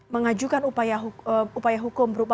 mengajukan upaya hukum berikutnya